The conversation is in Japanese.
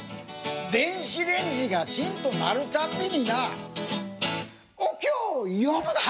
電子レンジがチンと鳴るたんびになお経を読むな！